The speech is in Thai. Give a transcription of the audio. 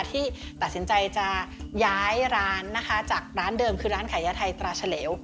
ที่ตัดสินใจจะย้ายร้านนะคะจากร้านเดิมคือร้านขายยาไทยตราเฉลว